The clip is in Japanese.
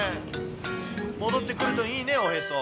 戻ってくるといいね、おへそ。